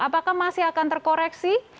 apakah masih akan terkoreksi